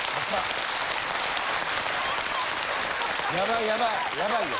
ヤバイヤバイヤバイよ。